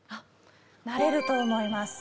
なれると思います。